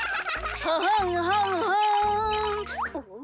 「ははんはんはん」ん？